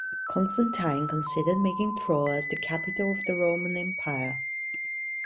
Constantine considered making Troas the capital of the Roman Empire.